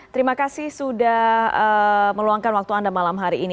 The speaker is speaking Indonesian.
terima kasih sudah meluangkan waktu anda malam hari ini